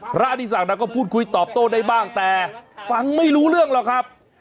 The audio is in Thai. อดีศักดิ์ก็พูดคุยตอบโต้ได้บ้างแต่ฟังไม่รู้เรื่องหรอกครับ